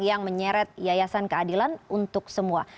yang menyeret yayasan keadilan untuk semua